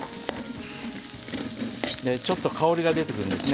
ちょっと香りが出てくるんですね。